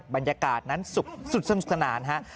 บรรยากาศนั้นสุดสนานครับ